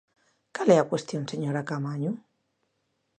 ¿Cal é a cuestión, señora Caamaño?